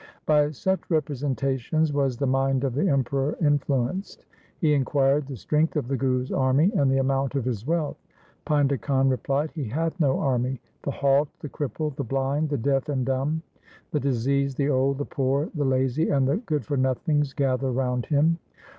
By such representations was the mind of the Emperor influenced. He inquired the strength of the Guru's army and the amount of his wealth. Painda Khan replied, ' He hath no army. The halt, the cripple, the blind, the deaf and dumb, the diseased, the old, the poor, the lazy, and the good for nothings gather round him.